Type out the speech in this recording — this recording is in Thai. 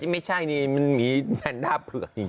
ไม่ใช่นี่มันหมีแนนด้าเผือกจริง